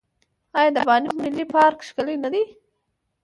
آیا د بانف ملي پارک ښکلی نه دی؟